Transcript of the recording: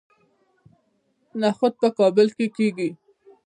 نخود په کابل کې کیږي